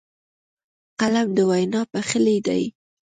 قلم د وینا پخلی دی